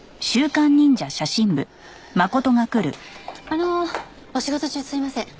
あのお仕事中すいません。